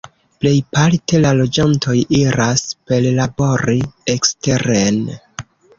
Plejparte la loĝantoj iras perlabori eksteren.